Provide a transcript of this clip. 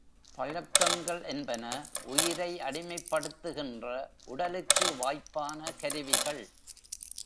பழக்கங்கள் என்பன உயிரை அடிமைப் படுத்துகின்ற, உடலுக்கு வாய்ப்பான கருவிகள்.